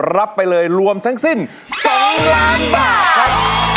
รับไปเลยรวมทั้งสิ้น๒ล้านบาทครับ